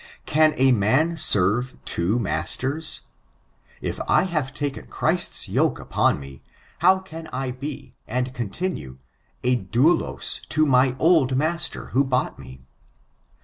Can a man serve two masters? If I have token Christ's yoke upon me, how can I be, and continue, a dmdos to my old master who bought me?